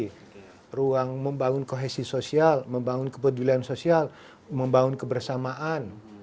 ruang terbuka hijau untuk ruang interaksi ruang membangun kohesi sosial membangun kepedulian sosial membangun kebersamaan